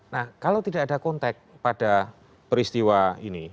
nah kalau tidak ada kontak pada peristiwa ini